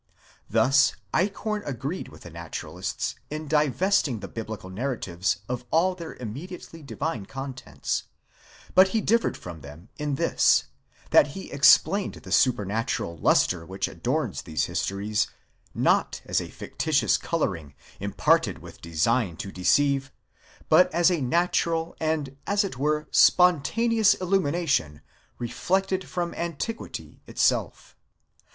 Thus Eichhorn agreed with the Naturalists in divest ing the biblical narratives of all their immediately divine contents, but he differed from them in this, that he explained the supernatural lustre which adorns these histories, not as a fictitious colouring imparted with design to deceive, but as a natural and as it were spontaneous illumination reflected from antiquity itself.